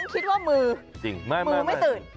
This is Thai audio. ที่ฉันคิดว่ามือไม่ตื่น